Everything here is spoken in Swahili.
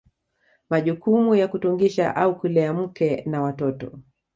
Majukumu ya kutungisha au kulea mke na watoto